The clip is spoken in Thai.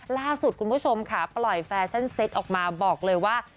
ล่าสุดคุณผู้ชมค่ะปล่อยแฟชั่นเซ็ตออกมาบอกเลยว่า